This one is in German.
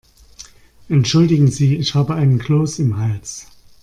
Entschuldigen Sie, ich habe einen Kloß im Hals.